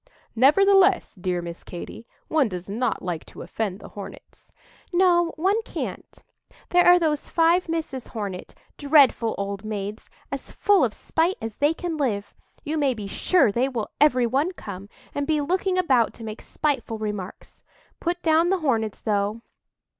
"Nevertheless, dear Miss Katy, one does not like to offend the Hornets." "No, one can't. There are those five Misses Hornet—dreadful old maids!—as full of spite as they can live. You may be sure they will every one come, and be looking about to make spiteful remarks. Put down the Hornets, though."